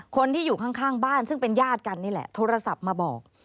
คนที่อยู่ข้างบ้านซึ่งเป็นญาติกันนี่แหละโทรศัพท์มาบอก